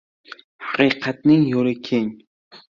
• Haqiqatning yo‘li keng.